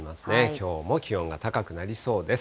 きょうも気温が高くなりそうです。